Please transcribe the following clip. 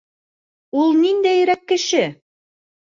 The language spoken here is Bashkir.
Ул ниндәйерәк кеше?